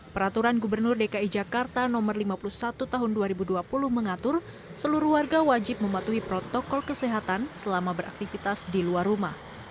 peraturan gubernur dki jakarta no lima puluh satu tahun dua ribu dua puluh mengatur seluruh warga wajib mematuhi protokol kesehatan selama beraktivitas di luar rumah